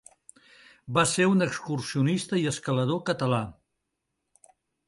Va ser un excursionista i escalador català.